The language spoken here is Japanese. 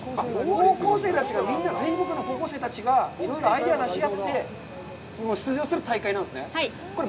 高校生たちが全国の高校生たちがいろいろアイデアを出し合って出場する大会なんですね。